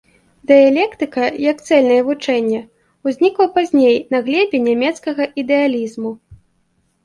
Дыялектыка як цэльнае вучэнне ўзнікла пазней на глебе нямецкага ідэалізму.